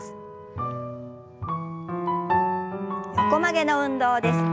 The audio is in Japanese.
横曲げの運動です。